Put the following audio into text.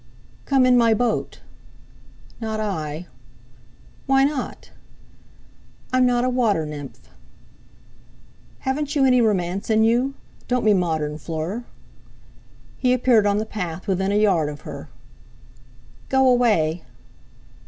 "Come in my boat!" "Not I." "Why not?" "I'm not a water nymph." "Haven't you any romance in you? Don't be modern, Fleur!" He appeared on the path within a yard of her. "Go away!"